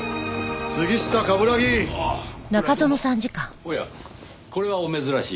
おやこれはお珍しい。